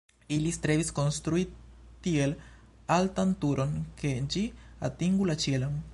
Ili strebis konstrui tiel altan turon, ke ĝi atingu la ĉielon.